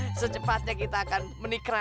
eh eh cinta secepatnya kita akan menikra